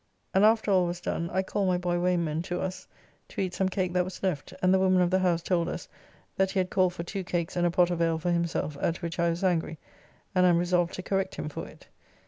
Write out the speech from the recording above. And after all was done I called my boy (Wayneman) to us to eat some cake that was left, and the woman of the house told us that he had called for two cakes and a pot of ale for himself, at which I was angry, and am resolved to correct him for it.